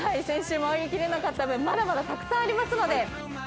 先週回りきれなかった分まだまだたくさんありますので。